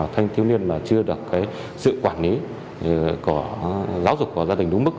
thanh thiếu niên mà chưa được sự quản lý của giáo dục của gia đình đúng mức